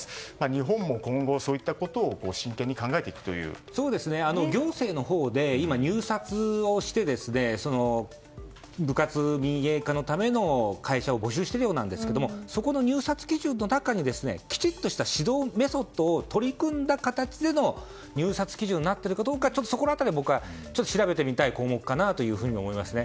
日本も今後、そういったことを行政のほうで今、入札をして部活民営化のための会社を募集しているようですがそこの入札基準の中にきちんとした指導メソッドを取り込んだ形で入札基準になっているかどうかそこら辺り調べてみたい項目かなと思いますね。